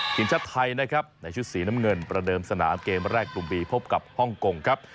ทีมชาติไทยนะครับในชุดสีน้ำเงินประเดิมสนามเกมแรกกลุ่มบีพบกับฮ่องกงครับ